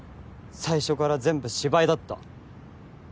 最初から全部芝居だった。